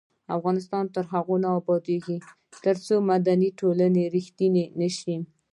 افغانستان تر هغو نه ابادیږي، ترڅو مدني ټولنې ریښتینې نشي.